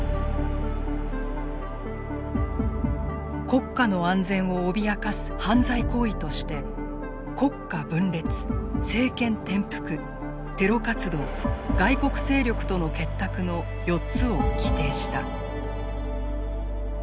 国家の安全を脅かす犯罪行為として国家分裂政権転覆テロ活動外国勢力との結託の４つを規定した。